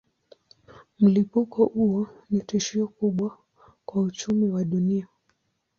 Mlipuko huo ni tishio kubwa kwa uchumi wa dunia.